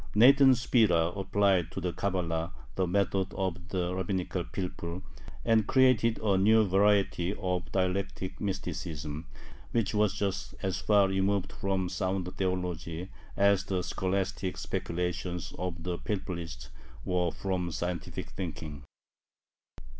Nathan Spira applied to the Cabala the method of the Rabbinical pilpul, and created a new variety of dialectic mysticism, which was just as far removed from sound theology as the scholastic speculations of the pilpulists were from scientific thinking.